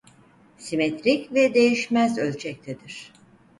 Simetrik ve değişmez ölçektedir.